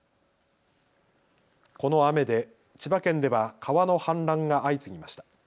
この雨で千葉県では川の氾濫が相次ぎました。